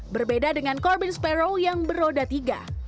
berbeda dengan corbin sparrow yang beroda tiga